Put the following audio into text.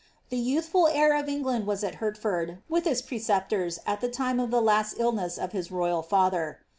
The youthful heir of England was at Hertford, with his pre ceptors, at the time of the last illness of his royal father.